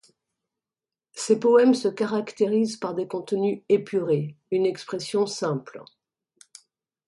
Ses poèmes se caractérisent par des contenus épurés, une expression simple.